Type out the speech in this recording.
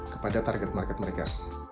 kepada target market mereka